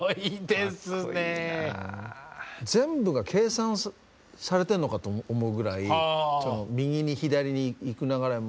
全部が計算されてるのかと思うぐらい右に左に行く流れも。